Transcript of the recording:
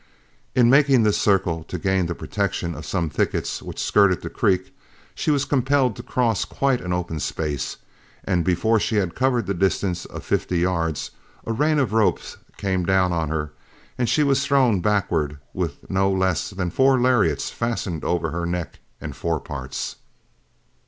In making this circle to gain the protection of some thickets which skirted the creek, she was compelled to cross quite an open space, and before she had covered the distance of fifty yards, a rain of ropes came down on her, and she was thrown backward with no less than four lariats fastened over her neck and fore parts.